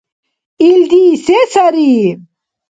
— Илди се сари?